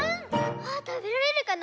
あたべられるかな？